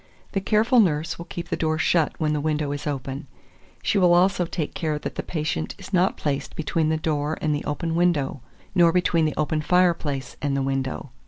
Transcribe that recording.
The careful nurse will keep the door shut when the window is open; she will also take care that the patient is not placed between the door and the open window, nor between the open fireplace and the window.